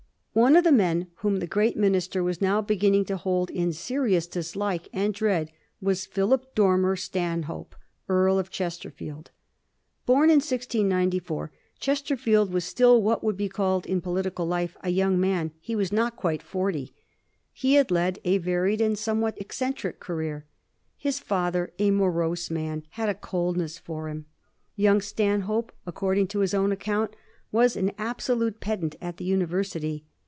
One of the men whom the great minister was now beginning to hold in serious dislike and dread was Philip Dormer Stanhope, Earl of Chesterfield. Bom in 1694, Chesterfield was still what would be called in political life a young man; he was not quite forty. He had led a va ried and somewhat eccentric career. His father, a morose man, had a coldness for him. Young Stanhope, according to bis own account, was an absolute pedant at the univer sity.